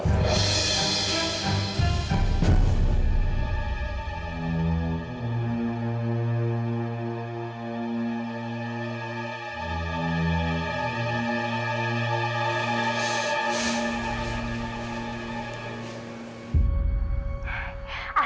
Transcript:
bukan begitu bu tapi